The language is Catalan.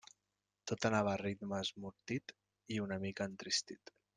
Tot anava a ritme esmortit i una mica entristit.